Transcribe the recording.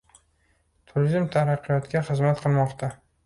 Turizm taraqqiyotga xizmat qilmoqda